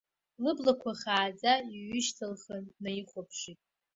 Лыблақәа хааӡа иҩышьҭылхын днаихәаԥшит.